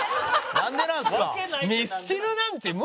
なんでなんですか？